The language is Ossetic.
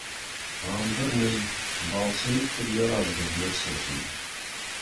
Ам дӕр нӕй, балцӕй къуырийӕ раздӕр не ’рцӕудзӕн.